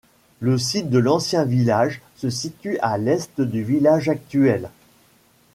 Le site de l'ancien village se situe à l'est du village actuel.